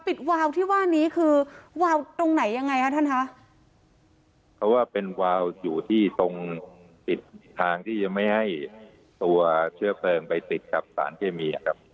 วาวที่ว่านี้คือวาวตรงไหนยังไงคะท่านคะเพราะว่าเป็นวาวอยู่ที่ตรงปิดทางที่จะไม่ให้ตัวเชื้อเพลิงไปติดกับสารเคมีอ่ะครับ